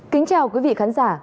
kính chào quý vị khán giả